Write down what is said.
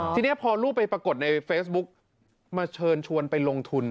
ทีนี้พอลูกไปปรากฏในเฟซบุ๊กมาเชิญชวนไปลงทุน